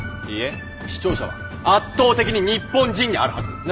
いいえ視聴者は圧倒的に日本人であるはず。